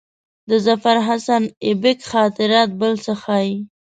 د ظفرحسن آیبک خاطرات بل څه ښيي.